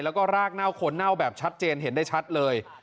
แล้วก็รากเน่าคนเน่าแบบชัดเจนเห็นได้ชัดเลย